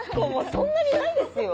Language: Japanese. そんなにないですよ。